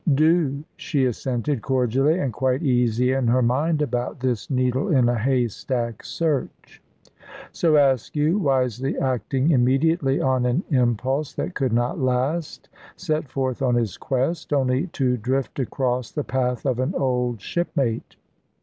"Do!" she assented cordially, and quite easy in her mind about this needle in a haystack search. So Askew, wisely acting immediately on an impulse that could not last, set forth on his quest, only to drift across the path of an old shipmate.